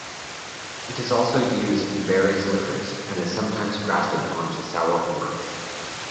It is also used in various liquors and is sometimes grafted onto sour orange.